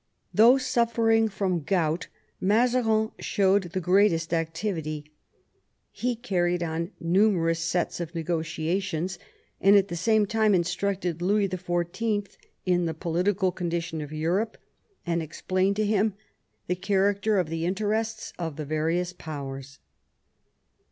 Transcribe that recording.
Though suffering from gout, Mazarin showed the greatest activity. He carried on numerous sets of negotiations, and at the same time instructed Louis XIV. in the political condition of Europe, and explained to him the character of the interests of the various powers.